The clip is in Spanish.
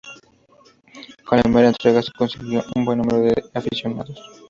Con la primera entrega se consiguió un buen número de aficionados.